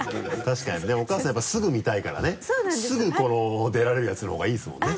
確かにでもお母さんやっぱりすぐ見たいからねすぐ出られるやつのほうがいいですもんね。